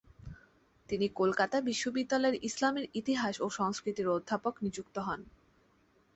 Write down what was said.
তিনি কলকাতা বিশ্ববিদ্যালয়ের ইসলামের ইতিহাস ও সংস্কৃতি'র অধ্যাপক নিযুক্ত হন।